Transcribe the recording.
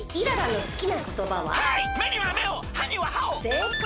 せいかい。